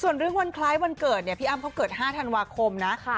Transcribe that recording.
ส่วนเรื่องวันคล้ายวันเกิดเนี่ยพี่อ้ำเขาเกิด๕ธันวาคมนะ